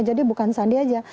jadi bukan sandi aja